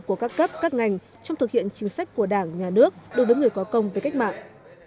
của các cấp các ngành trong thực hiện chính sách của đảng nhà nước đối với người có công với cách mạng